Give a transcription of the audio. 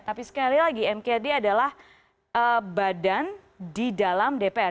tapi sekali lagi mkd adalah badan di dalam dpr